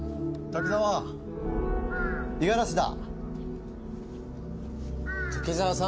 滝沢五十嵐だ。